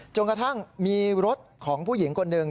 จนกระทั่งมีรถของผู้หญิงคนหนึ่ง